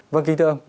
vâng kính thưa ông